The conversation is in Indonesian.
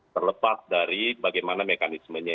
terlepas dari bagaimana mekanismenya